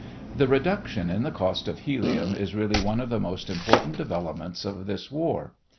The reduction in the cost of helium is really one of the most important developments of this war.